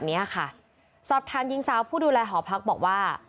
เนี้ยค่ะสอบถามหญิงสาวผู้ดูแลหอพักบอกว่า